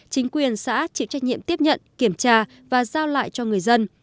chính quyền xã chịu trách nhiệm tiếp nhận kiểm tra và giao lại cho người dân